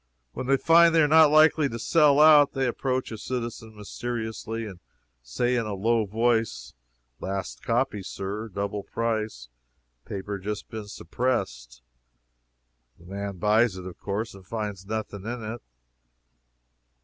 When they find they are not likely to sell out, they approach a citizen mysteriously, and say in a low voice "Last copy, sir: double price; paper just been suppressed!" The man buys it, of course, and finds nothing in it.